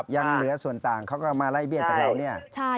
ยังเหลือส่วนต่างเขาก็มาไล่เบี้ยจากเราเนี่ย